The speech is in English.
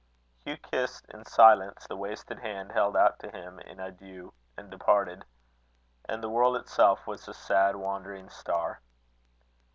Hugh kissed in silence the wasted hand held out to him in adieu, and departed. And the world itself was a sad wandering star.